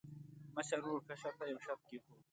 مشر ورور کشر ته یو شرط کېښود.